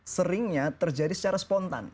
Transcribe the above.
seringnya terjadi secara spontan